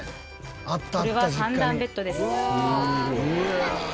これは３段ベッドです。